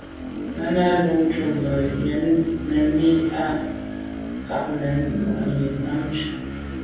Náná lùcúp mbə̄ jə̂nə̀ mɛ́n lî à’ cák nɛ̂n mwà’nì á nǎmjʉ́.